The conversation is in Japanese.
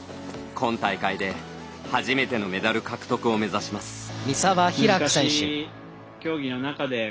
今大会で初めてのメダル獲得を目指します。